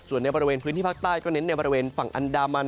ส่วนในบริเวณพื้นที่ภาคใต้ก็เน้นในบริเวณฝั่งอันดามัน